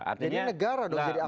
artinya negara dong jadi aktornya